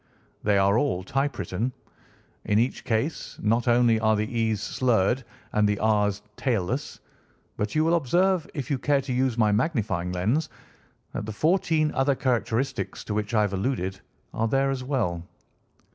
They are all typewritten. In each case, not only are the 'e's' slurred and the 'r's' tailless, but you will observe, if you care to use my magnifying lens, that the fourteen other characteristics to which I have alluded are there as well."